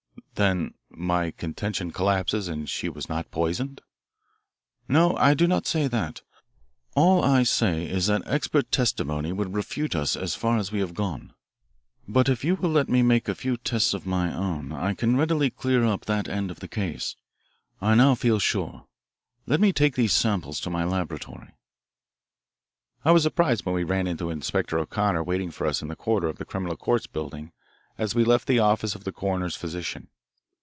"Then my contention collapses and she was not poisoned?" "No, I do not say that. All I say is that expert testimony would refute us as far as we have gone. But if you will let me make a few tests of my own I can readily clear up that end of the case, I now feel sure. Let me take these samples to my laboratory." I was surprised when we ran into Inspector O'Connor waiting for us in the corridor of the Criminal Courts Building as we left the office of the coroner's physician.